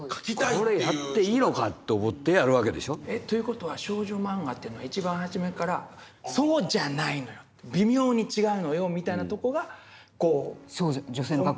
これやっていいのかと思ってやるわけでしょ。という事は少女漫画というのは一番初めからそうじゃないのよ微妙に違うのよみたいなとこが根本にあるんですか？